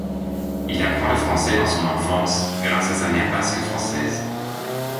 Il apprend le français dans son enfance, grâce à sa mère basque française.